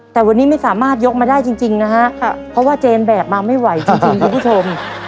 แต่วันนี้ไม่สามารถยกมาได้จริงนะฮะเพราะว่าเจนแบกมาไม่ไหวจริงคุณผู้ชม